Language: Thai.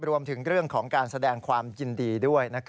รวมถึงเรื่องของการแสดงความยินดีด้วย